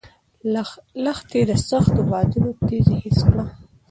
لښتې د سختو بادونو تېزي حس کړه.